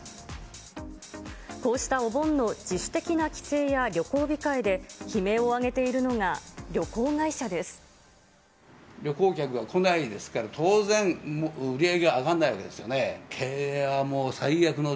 こうしたお盆の自主的な帰省や旅行控えで、悲鳴を上げているのが、旅行客が来ないですから、当然、売り上げが上がんないわけですよね。